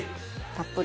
たっぷり。